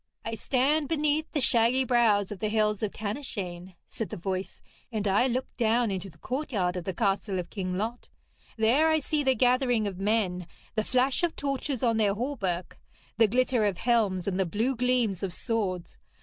'I stand beneath the shaggy brows of the Hill of Tanyshane,' said the voice, 'and I look down into the courtyard of the castle of King Lot. There I see the gathering of men, the flash of torches on their hauberks, the glitter of helms, and the blue gleams of swords.